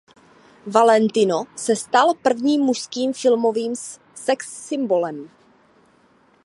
Valentino se stal prvním mužským filmovým sex symbolem.